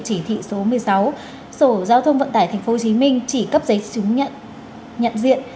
chỉ thị số một mươi sáu sở giao thông vận tải tp hcm chỉ cấp giấy nhận diện